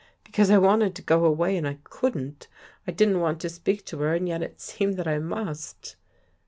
Because I wanted to go away and I couldn't. I didn't want to speak to her and yet it seemed that I must.